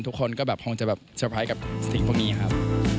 ทุกคนก็คงจะเซอร์ไพรส์กับสตร์ฟูกนี้ครับ